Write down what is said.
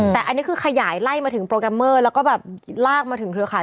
แต่อันนี้คือขยายไล่มาถึงโปรแกรมเมอร์แล้วก็แบบลากมาถึงเครือข่าย